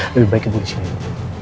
lebih baik ibu di sini bu